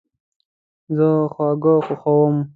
زه خواږه خوښوم